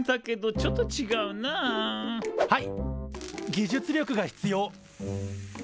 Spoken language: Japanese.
技術力が必要。